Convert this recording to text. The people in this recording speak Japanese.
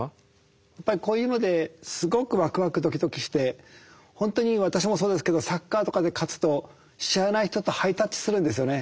やっぱりこういうのですごくワクワクドキドキして本当に私もそうですけどサッカーとかで勝つと知らない人とハイタッチするんですよね。